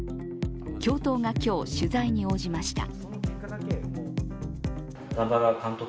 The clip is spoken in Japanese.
教頭が今日、取材に応じました。